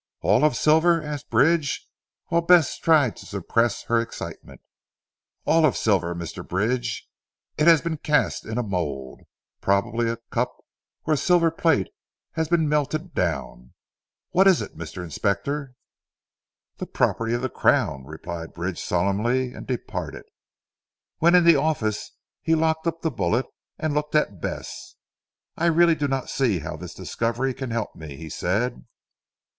"All of silver?" asked Bridge while Bess tried to suppress her excitement. "All of silver Mr. Bridge. It has been cast in a mould. Probably a cup or a silver plate has been melted down. What is it Mr. Inspector?" "The property of the Crown," replied Bridge solemnly and departed. When in the office he locked up the bullet and looked at Bess. "I really do not see how this discovery can help me," he said.